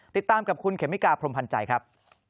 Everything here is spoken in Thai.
ติดตามกับคุณเขมิกาพรมพันธ์ใจครับ